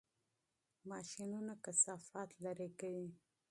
ماشینونه کثافات لرې کوي.